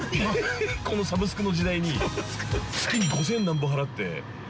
◆このサブスクの時代に月に５千何ぼ払って。